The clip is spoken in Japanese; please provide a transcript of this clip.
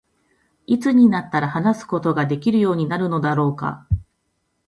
何時になったら話すことができるようになるのだろうか。